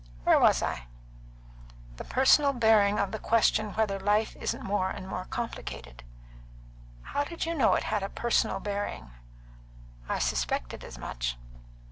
Where was I?" "The personal bearing of the question whether life isn't more and more complicated?" "How did you know it had a personal bearing?" "I suspected as much."